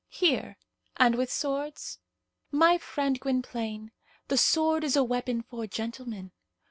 "Here, and with swords?" "My friend Gwynplaine, the sword is a weapon for gentlemen.